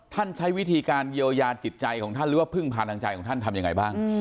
ใช้วิธีการเยียวยาจิตใจของท่านหรือว่าพึ่งพาทางใจของท่านทำยังไงบ้าง